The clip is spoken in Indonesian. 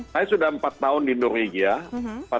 saya sudah empat tahun di norwegia